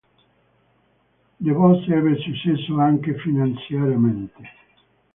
De Vos ebbe successo anche finanziariamente.